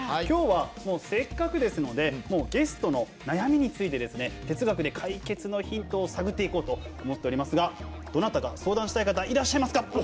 きょうはせっかくですのでゲストの悩みについて哲学で解決のヒントを探っていこうと思っておりますがどなたか相談したい方いらっしゃいますか？